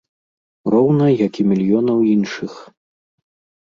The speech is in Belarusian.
Роўна як і мільёнаў іншых.